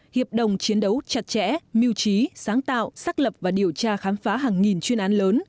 hiệp đồng chiến đấu chặt chẽ mưu trí sáng tạo xác lập và điều tra khám phá hàng nghìn chuyên án lớn